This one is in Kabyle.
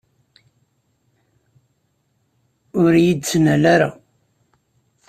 Ur iyi-d-ttnal ara!